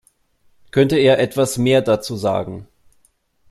Könnte er etwas mehr dazu sagen?